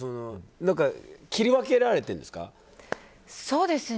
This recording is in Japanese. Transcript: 何か切り分けられてるんですか？